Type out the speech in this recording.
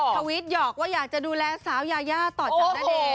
ทวิตหยอกว่าอยากจะดูแลสาวยายาต่อจากณเดชน